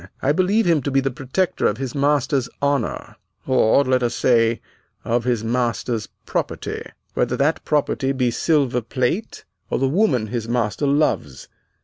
I believe him to be the protector of his master's honor, or, let us say, of his master's property, whether that property be silver plate or the woman his master loves.